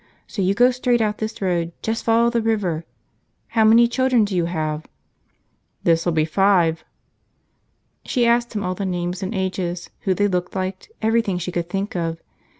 So you go straight out this road, just follow the river. .... How many children do you have?" "This'll be five." She asked him all the names and ages, who they looked like, everything she could think of.